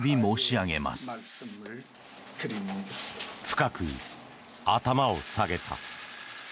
深く頭を下げた。